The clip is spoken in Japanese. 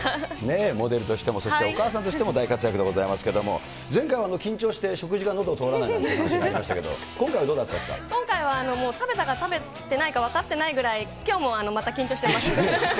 モデルとしても、そしてお母さんとしても大活躍でございますけれども、前回は緊張して、食事がのどを通らないといった話がありましたけれども、今回はど今回はもう食べたか、食べてないか分かってないぐらい、きょうも緊張しています。